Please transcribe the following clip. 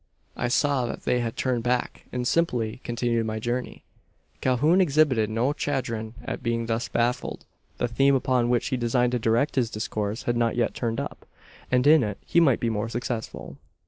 I saw that they had turned back, and simply continued my journey." Calhoun exhibited no chagrin at being thus baffled. The theme upon which he designed to direct his discourse had not yet turned up; and in it he might be more successful.